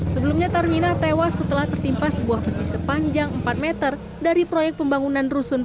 sebelumnya tarmina tewas setelah tertimpa sebuah besi sepanjang empat meter dari proyek pembangunan rusun